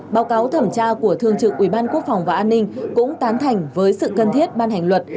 báo cáo thẩm tra của thương trực ủy ban quốc phòng và an ninh cũng tán thành với sự cần thiết ban hành luật